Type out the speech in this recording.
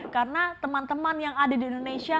karena teman teman yang ada di indonesia